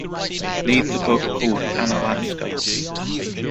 Need the book called ANAlaska